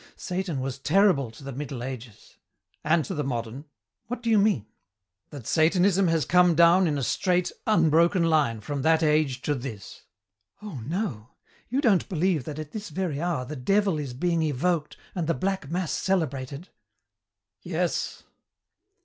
Satan was terrible to the Middle Ages " "And to the modern." "What do you mean?" That Satanism has come down in a straight, unbroken line from that age to this." "Oh, no; you don't believe that at this very hour the devil is being evoked and the black mass celebrated?" "Yes."